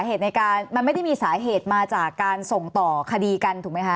เหตุการณ์มันไม่ได้มีสาเหตุมาจากการส่งต่อคดีกันถูกไหมคะ